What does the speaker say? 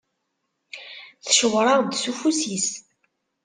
Tcewweṛ-aɣ-d s ufus-is.